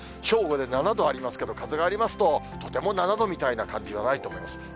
正午で７度ありますけど、風がありますと、とても７度みたいな感じはないと思います。